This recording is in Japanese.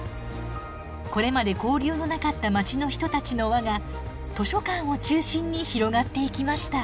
これまで交流のなかった街の人たちの輪が図書館を中心に広がっていきました。